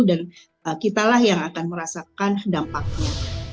dan kitalah yang akan merasakan dampaknya